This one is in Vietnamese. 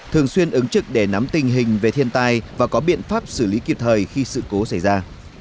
thường xuyên ứng trực để nắm tình hình về thiên tai và có biện pháp xử lý kịp thời khi sự cố xảy ra